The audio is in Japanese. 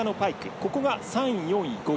ここが３位、４位、５位。